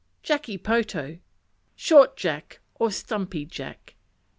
Jacky poto Short Jack; or stumpy Jack.